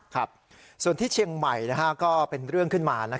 ครับส่วนที่เชียงใหม่ก็เป็นเรื่องขึ้นมา